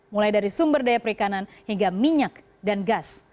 mulai dari sumber daya perikanan hingga minyak dan gas